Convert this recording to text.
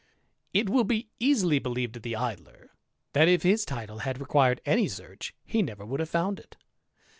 It will be easily believed of the Idler, that if his title had required any search, he never would have found it.